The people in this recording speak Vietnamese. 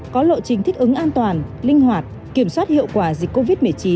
có lộ trình thích ứng an toàn linh hoạt kiểm soát hiệu quả dịch covid một mươi chín